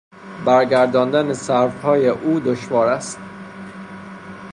برگرداندن سروهای او دشوار است.